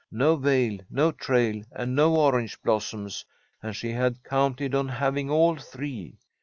No veil, no trail, and no orange blossoms, and she had counted on having all three.